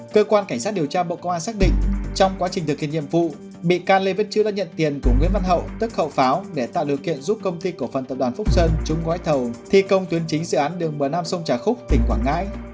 cơ quan cảnh sát điều tra bộ công an xác định trong quá trình thực hiện nhiệm vụ bị can lê văn chữ đã nhận tiền của nguyễn văn hậu tức khẩu pháo để tạo điều kiện giúp công ty cổ phần tập đoàn phúc sơn chung gói thầu thi công tuyến chính dự án đường bờ nam sông trà khúc tỉnh quảng ngãi